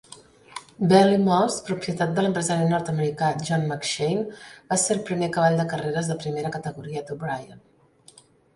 Ballymoss, propietat de l'empresari nord-americà John McShain, va ser el primer cavall de carreres de primera categoria d'O'Brien.